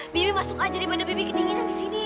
bibi masuk aja daripada bibi kedinginan di sini